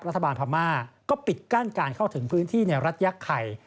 พม่าก็ปิดกั้นการเข้าถึงพื้นที่ในรัฐยักษ์ไข่